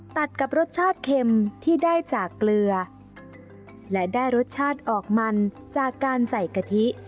ตัดกับรสชาติเค็มที่ได้จากเกลือและได้รสชาติออกมันจากการใส่กะทิ